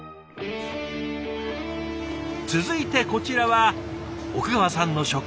続いてこちらは奥川さんの職場。